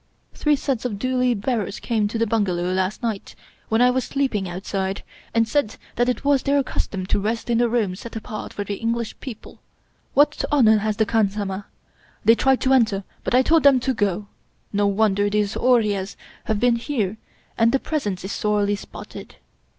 Three sets of dooUe bearers came to the bungalow late last night when I was sleeping outside, and said that it was their cus tom to rest in the rooms set apart for the English people t What honor has the khansamah? They tried to enter, but I told them to go. No wonder, if these Oorias have been here, that the Presence is sorely spotted.